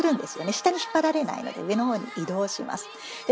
下に引っ張られないので上のほうに移動します。